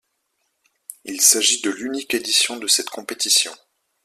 Il s'agit de l'unique édition de cette compétition.